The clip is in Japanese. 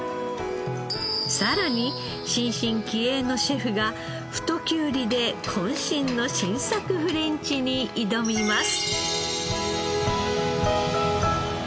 さらに新進気鋭のシェフが太きゅうりで渾身の新作フレンチに挑みます。